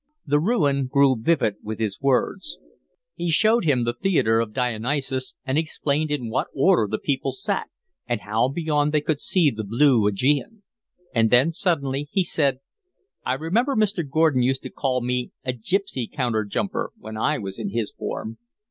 The ruin grew vivid with his words. He showed him the theatre of Dionysus and explained in what order the people sat, and how beyond they could see the blue Aegean. And then suddenly he said: "I remember Mr. Gordon used to call me a gipsy counter jumper when I was in his form."